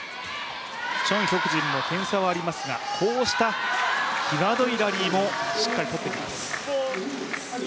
チョン・ヒョクジンも点差はありますが、こうしたきわどいラリーもしっかり取ってきます。